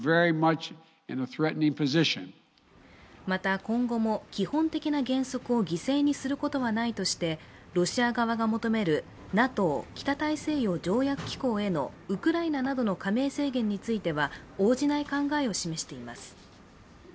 また、今後も基本的な原則を犠牲にすることはないとしてロシア側が求めるＮＡＴＯ＝北大西洋条約機構へのウクライナなどの加盟制限については応じない考えを示しています。